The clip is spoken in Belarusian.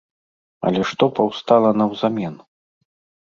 Але што паўстала наўзамен?